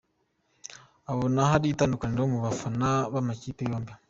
Abona hari itandukaniro mu bafana b’amakipe yombi.